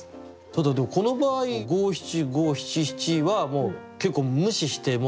ただでもこの場合五七五七七はもう結構無視して。